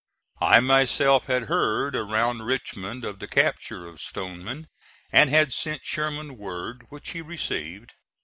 I myself had heard around Richmond of the capture of Stoneman, and had sent Sherman word, which he received.